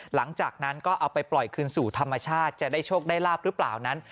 หลังจากนั้นก็เอาไปปล่อยคืนสู่ธรรมชาติจะได้โชคได้ลาบหรือเปล่านั้น